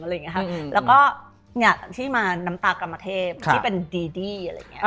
แล้วก็เนี่ยที่มาน้ำตากรรมเทพที่เป็นดีดี้อะไรอย่างเงี้